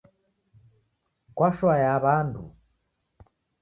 Kwashoa ya wandu